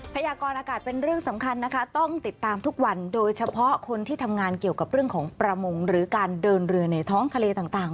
ยากรอากาศเป็นเรื่องสำคัญนะคะต้องติดตามทุกวันโดยเฉพาะคนที่ทำงานเกี่ยวกับเรื่องของประมงหรือการเดินเรือในท้องทะเลต่าง